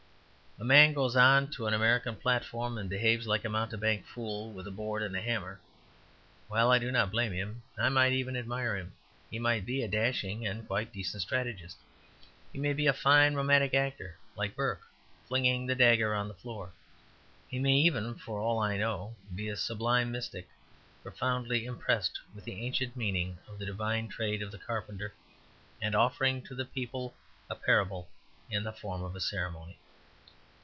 A man goes on to an American platform and behaves like a mountebank fool with a board and a hammer; well, I do not blame him; I might even admire him. He may be a dashing and quite decent strategist. He may be a fine romantic actor, like Burke flinging the dagger on the floor. He may even (for all I know) be a sublime mystic, profoundly impressed with the ancient meaning of the divine trade of the Carpenter, and offering to the people a parable in the form of a ceremony.